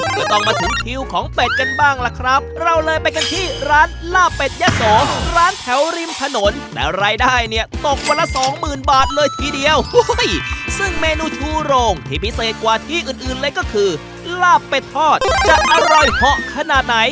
ก็ต้องมาถึงคิวของเป็ดกันบ้างล่ะครับเราเลยไปกันที่ร้านลาบเป็ด